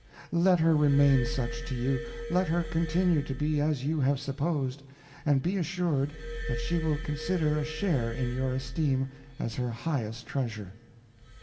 Let her remain such to you, let her continue to be as you have supposed, and be assured that she will consider a share in your esteem as her highest treasure.